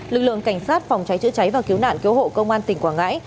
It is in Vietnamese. lực lượng cảnh sát phòng cháy chữa cháy và cứu nạn cứu hộ công an tỉnh quảng ngãi